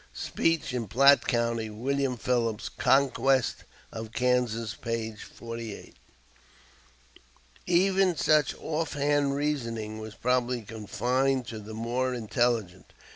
[Speech in Platte County. Wm. Phillips, "Conquest of Kansas," p. 48] Even such off hand reasoning was probably confined to the more intelligent.